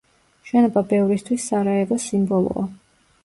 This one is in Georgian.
შენობა ბევრისთვის სარაევოს სიმბოლოა.